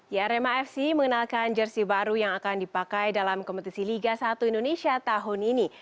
ya rmafc mengenalkan jersi baru yang akan dipakai dalam kompetisi liga satu indonesia tahun ini